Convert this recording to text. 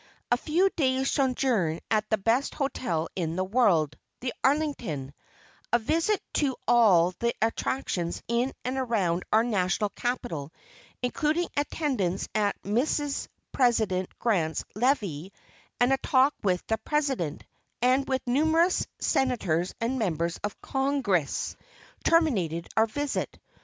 A few days' sojourn at the best hotel in the world, "The Arlington," a visit to all the attractions in and around our national Capital including attendance at Mrs. President Grant's levee and a talk with the President, and with numerous Senators and Members of Congress, terminated our visit.